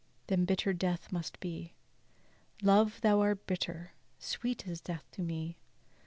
then bitter death must be: Love thou art bitter; sweet is death to me.